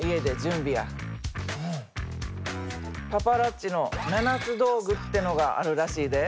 パパラッチの七つ道具ってのがあるらしいで。